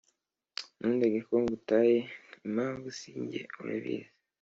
ntundege ko ngutaye impamvu si jye urabizi